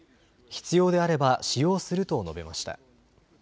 必要であれば使用すると述べました。